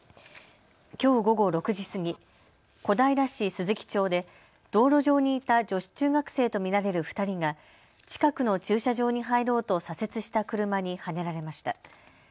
きょう午後６時過ぎ小平市鈴木町で道路上にいた女子中学生と見られる２人が近くの駐車場に入ろうと左折した車にはねられました。